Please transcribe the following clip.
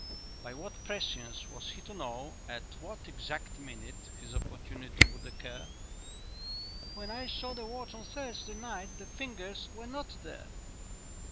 By what prescience was he to know at what exact minute his opportunity would occur?" "When I saw the watch on Thursday night the fingers were not there."